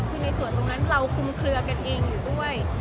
คือในส่วนตรงนั้นเราคุมเคลือกันเองอยู่ด้วย